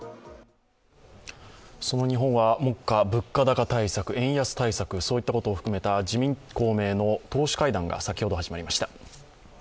その日本は目下、物価高対策、円安対策、そういったことを含めて自民・公明の党首会談が先ほど始まりました。